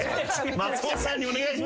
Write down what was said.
松本さんにお願いします。